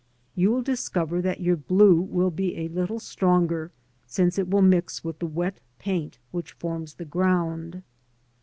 You will discover that your blue will be a little stronger, since it will mix with the wet paint which forms the ground.